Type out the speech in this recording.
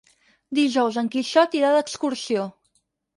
Dijous en Quixot irà d'excursió.